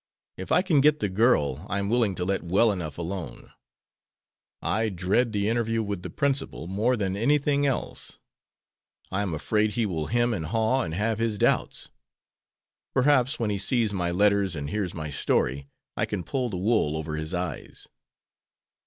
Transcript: If I can get the girl I am willing to let well enough alone. I dread the interview with the principal more than anything else. I am afraid he will hem and haw, and have his doubts. Perhaps, when he sees my letters and hears my story, I can pull the wool over his eyes."